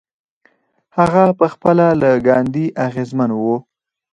هغه پخپله له ګاندي اغېزمن و.